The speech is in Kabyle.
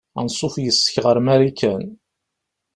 Anṣuf yes-k ɣer Marikan.